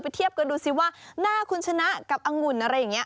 เทียบกันดูสิว่าหน้าคุณชนะกับอังุ่นอะไรอย่างนี้